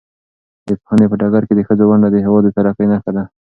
د پوهنې په ډګر کې د ښځو ونډه د هېواد د ترقۍ نښه ده.